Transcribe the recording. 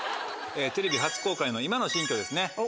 テレビ初公開の今の新居ですね。